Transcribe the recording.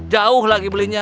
jauh lagi belinya